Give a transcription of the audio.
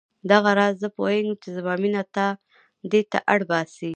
دغه راز زه پوهېږم چې زما مینه تا دې ته اړ باسي.